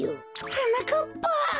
はなかっぱ。